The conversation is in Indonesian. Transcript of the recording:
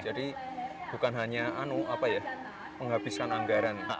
jadi bukan hanya penghabiskan anggaran